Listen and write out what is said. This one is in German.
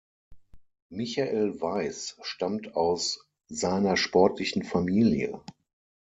Michael Weiss stammt aus seiner sportlichen Familie.